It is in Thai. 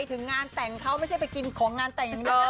ไปถึงงานแต่งเข้าไม่ใช่ไปกินของงานแต่งนี้